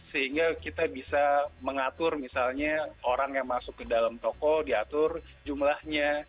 sehingga kita bisa mengatur misalnya orang yang masuk ke dalam toko diatur jumlahnya